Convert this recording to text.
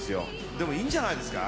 でもいいんじゃないですか？